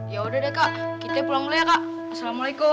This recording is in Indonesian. yaudah deh kak kita pulang dulu ya kak